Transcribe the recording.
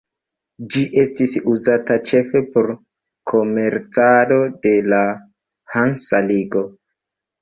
Ĝi estis uzata ĉefe por komercado de la Hansa ligo.